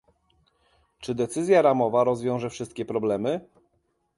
Czy decyzja ramowa rozwiąże wszystkie problemy?